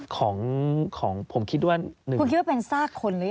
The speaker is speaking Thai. คุณคิดว่าเป็นซากคนหรือยัง